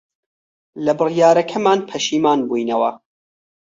لە بڕیارەکەمان پەشیمان بووینەوە.